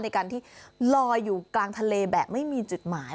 ในการที่ลอยอยู่กลางทะเลแบบไม่มีจุดหมาย